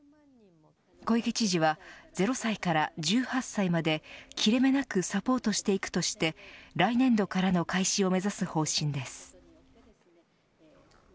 小池知事は０歳から１８歳まで切れ目なくサポートしていくとして来年度からの開始を目指す方針です。